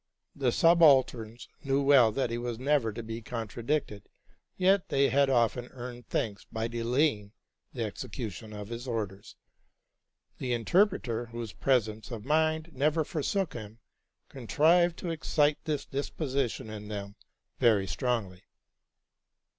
The subalterns well knew that he was never to be contradicted, yet they had often earned thanks by delaying the execution of his orders. The inter preter, whose presence of mind never forsook him, contrived to excite this disposition in them very strongly.